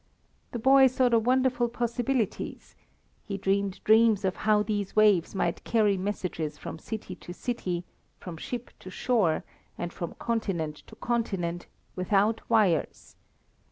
The boy saw the wonderful possibilities; he dreamed dreams of how these waves might carry messages from city to city, from ship to shore, and from continent to continent without wires.